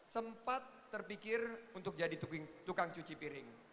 sempat terpikir untuk jadi tukang cuci piring